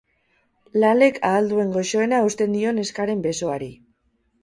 Lalek ahal duen goxoena eusten dio neskaren besoari.